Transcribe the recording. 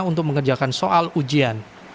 untuk mengerjakan soal ujian